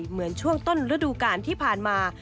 เหมือนช่วงต้นฤดูการที่ผ่านมา